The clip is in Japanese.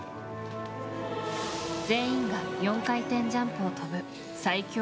全員が４回転ジャンプを跳ぶ最強